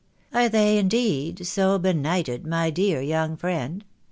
"Are they indeed so benighted, my dear young friend?"